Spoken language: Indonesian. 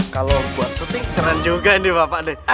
kalau buat syuting keren juga nih bapak deh